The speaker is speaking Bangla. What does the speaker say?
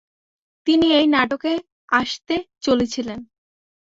তিনি এই নাটকে আসতে চলেছিলেন।